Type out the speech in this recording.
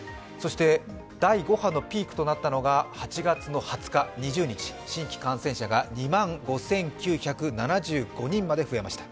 第５波のピークとなったのが８月２０日、新規感染者が２万５９７５人まで増えました。